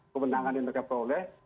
kemenangan yang mereka peroleh